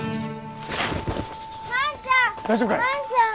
万ちゃん！